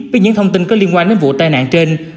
với những thông tin có liên quan đến vụ tai nạn trên